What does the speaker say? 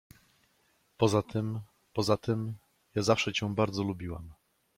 Poza tym… poza tym… ja zawsze cię bardzo lubiłam.